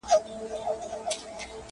د هغوی به پر اغزیو وي خوبونه٫